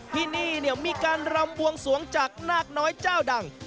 ที่นี่มีการรำบวงสวงจากนาคน้อยเจ้าดัง